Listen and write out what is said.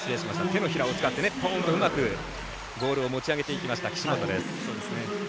手のひらを使ってボールを持ち上げていきました岸本です。